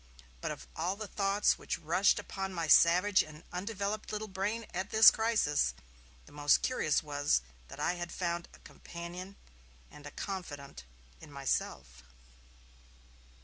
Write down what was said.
But of all the thoughts which rushed upon my savage and undeveloped little brain at this crisis, the most curious was that I had found a companion and a confidant in myself.